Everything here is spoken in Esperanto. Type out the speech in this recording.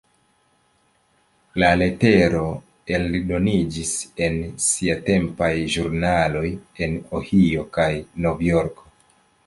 La letero eldoniĝis en siatempaj ĵurnaloj en Ohio kaj Novjorko.